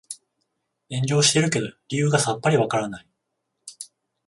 炎上してるけど理由がさっぱりわからない